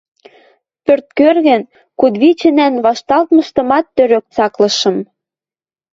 Пӧрт кӧргӹн, кудывичӹнӓн вашталтмыштымат тӧрӧк цаклышым.